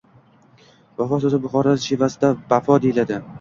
Vafo so’zi Buxoro shevasida “bafo” deyiladi.